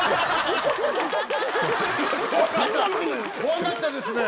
怖かったですね。